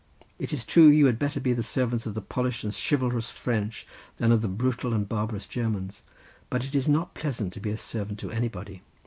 It is true you had better be the servants of the polished and chivalrous French, than of the brutal and barbarous Germans, but it is not pleasant to be a servant to anybody.